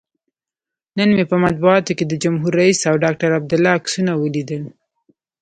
نن مې په مطبوعاتو کې د جمهور رئیس او ډاکتر عبدالله عکسونه ولیدل.